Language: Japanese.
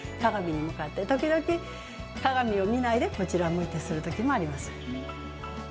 時々、鏡を見ないでこちらを向いてする時もあります。